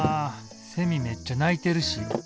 セミめっちゃ鳴いてるし。